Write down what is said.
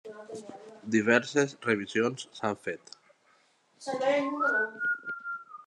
Diverses revisions s'han fet.